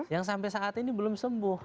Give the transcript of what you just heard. yang sampai saat ini belum sembuh